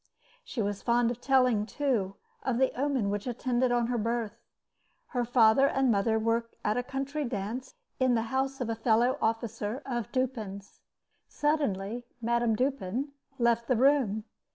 She was fond of telling, also, of the omen which attended on her birth. Her father and mother were at a country dance in the house of a fellow officer of Dupin's. Suddenly Mme. Dupin left the room.